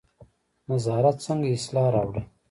نظارت څنګه اصلاح راوړي؟